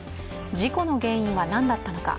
事故の原因はなんだったのか。